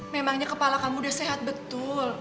memangnya kepala kamu udah sehat betul